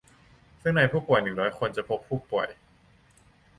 ซึ่งในผู้ป่วย หนึ่งร้อย คน จะพบผู้ป่วย